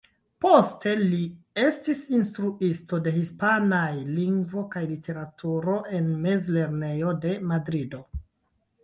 Poste li estis instruisto de Hispanaj Lingvo kaj Literaturo en mezlernejo de Madrido.